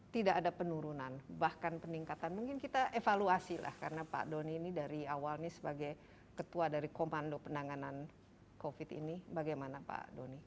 tidak ada penurunan bahkan peningkatan mungkin kita evaluasi lah karena pak doni ini dari awal ini sebagai ketua dari komando penanganan covid ini bagaimana pak doni